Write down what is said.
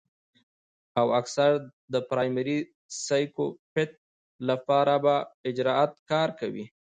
او اکثر د پرائمري سايکوپېت له پاره پۀ اجرت کار کوي